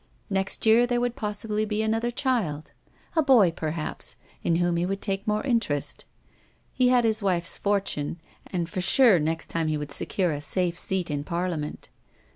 Next year there would possibly be another child — a boy, perhaps, in whom he would take more interest. He had his wife's fortune, and for sure next time he would secure a safe seat in Parliament.